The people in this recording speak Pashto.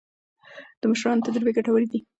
د مشرانو تجربې ګټورې دي.